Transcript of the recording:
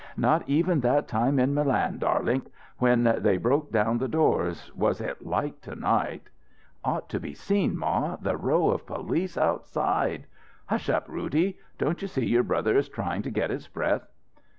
Not even that time in Milan, darlink when they broke down the doors, was it like to night " "Ought to seen, ma, the row of police outside " "Hush up, Roody! Don't you see your brother is trying to get his breath?"